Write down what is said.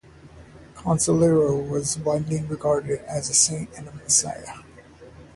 Conselheiro was widely regarded as a saint and a Messiah.